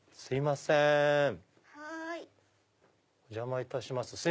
お邪魔いたします。